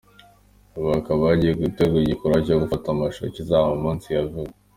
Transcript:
Ubu hakaba hagiye gutegurwa igikorwa cyo gufata amashusho kizaba mu minsi ya vuba.